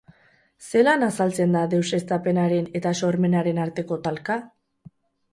Zelan azaltzen da deuseztapenaren eta sormenaren arteko talka?